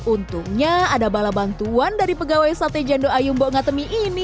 untungnya ada bala bantuan dari pegawai sate jandok ayumbo ngatemi ini